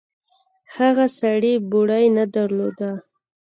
هغه سړي بوړۍ نه درلوده.